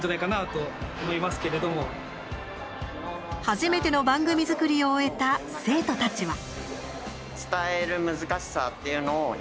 初めての番組作りを終えた生徒たちは。